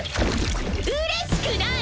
うれしくない！